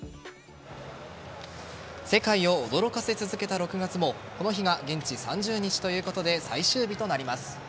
世界を驚かせ続けた６月もこの日が現地３０日ということで最終日となります。